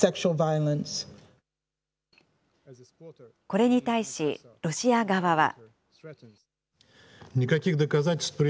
これに対し、ロシア側は。